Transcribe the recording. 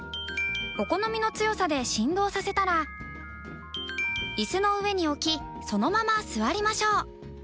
お好みの強さで振動させたら椅子の上に置きそのまま座りましょう。